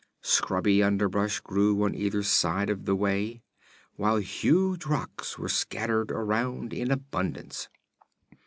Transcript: Scrubby under brush grew on either side of the way, while huge rocks were scattered around in abundance.